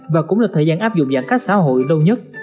và cũng là thời gian áp dụng giãn cách xã hội lâu nhất